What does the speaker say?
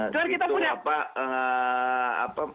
cuman kita punya